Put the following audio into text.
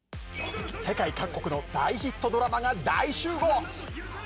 世界各国の大ヒットドラマが大集合！